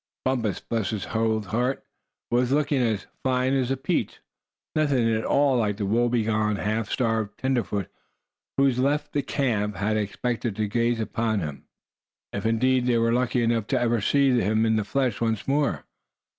Bumpus, bless his dear old heart, was looking as "fine as a peach;" nothing at all like the woebegone, half starved tenderfoot, whom those left in the camp had expected to gaze upon, if indeed they were lucky enough to ever see him in the flesh once more.